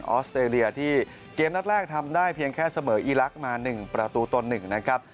อสเตรเลียที่เกมนัดแรกทำได้เพียงแค่เสมออีลักษณ์มา๑ประตูต่อ๑นะครับ